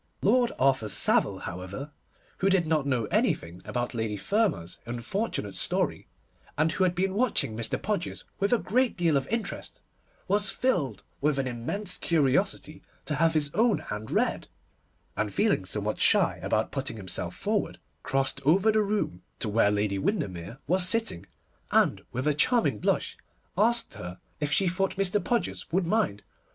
Lord Arthur Savile, however, who did not know anything about Lady Fermor's unfortunate story, and who had been watching Mr. Podgers with a great deal of interest, was filled with an immense curiosity to have his own hand read, and feeling somewhat shy about putting himself forward, crossed over the room to where Lady Windermere was sitting, and, with a charming blush, asked her if she thought Mr. Podgers would mind.